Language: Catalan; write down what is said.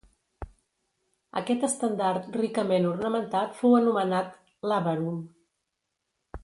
Aquest estendard ricament ornamentat fou anomenat làbarum.